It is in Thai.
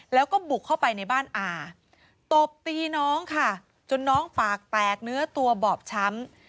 แล้วก็บุกเข้าไปในบ้านอาตบตีน้องค่ะจนน้องปากแตกเนื้อตัวบอบช้ำ